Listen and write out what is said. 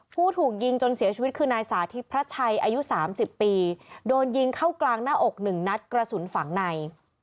ผู้ถูกยิงจนเสียชีวิตคือนายสาธิตพระชัยอายุ๓๐ปีโดนยิงเข้ากลางหน้าอกหนึ่งนัดกระสุนฝังใน